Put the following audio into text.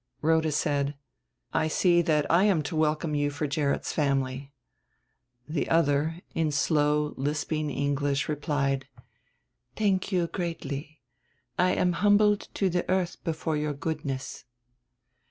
Rhoda said: "I see that I am to welcome you for Gerrit's family." The other, in slow lisping English replied: "Thank you greatly. I am humbled to the earth before your goodness."